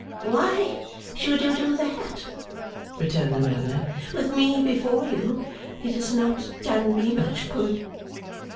'Why should you do that,' returned the milliner, 'with me before you? It has not done me much good.